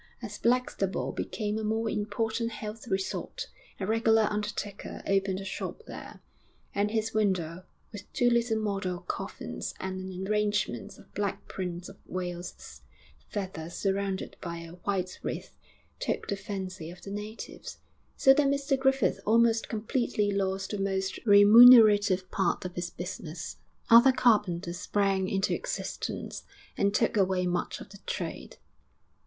As Blackstable became a more important health resort, a regular undertaker opened a shop there; and his window, with two little model coffins and an arrangement of black Prince of Wales's feathers surrounded by a white wreath, took the fancy of the natives, so that Mr Griffith almost completely lost the most remunerative part of his business. Other carpenters sprang into existence and took away much of the trade.